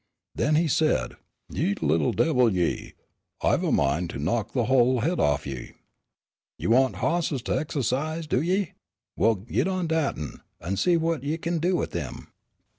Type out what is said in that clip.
Then he said, "Ye little devil, ye, I've a mind to knock the whole head off o' ye. Ye want harses to exercise, do ye? Well git on that 'un, an' see what ye kin do with him."